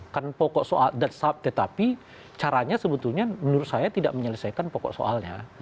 kan pokok soal tetapi caranya sebetulnya menurut saya tidak menyelesaikan pokok soalnya